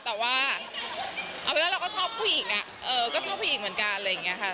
แต่ว่าเอาเป็นว่าเราก็ชอบผู้หญิงก็ชอบผู้หญิงเหมือนกันอะไรอย่างนี้ค่ะ